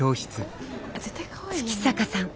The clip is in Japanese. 月坂さん。